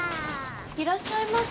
いらっしゃいませ。